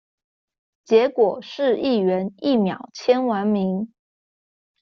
結果市議員一秒簽完名